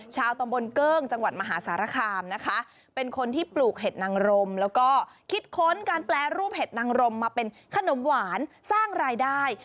ชาวตำบลเกิ้งจังหวัดมหาสารคามนะคะเป็นคนที่ปลูกเห็ดนางรมแล้วก็คิดค้นการแปรรูปเห็ดนางรมมาเป็นขนมหวานสร้างรายได้